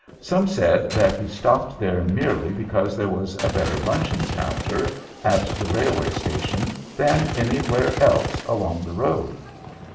Some said that he stopped there merely because there was a better luncheon counter at the railway station than anywhere else along the road.